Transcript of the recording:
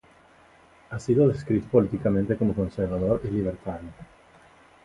Ha sido descrito políticamente como conservador y libertario.